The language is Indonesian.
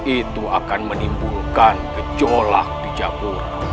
itu akan menimbulkan gejolak di japur